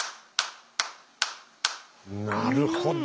なるほど！